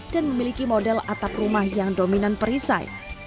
dan memiliki model atap rumah yang dominan perisai